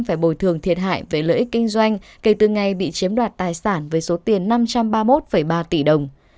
phải bồi thường thiệt hại về lợi ích kinh doanh kể từ ngày bị chiếm đoạt tài sản với số tiền năm trăm ba mươi một ba tỷ đồng